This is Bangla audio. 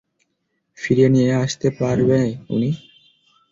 ফিরিয়ে নিয়ে আসতে পারবে উনি?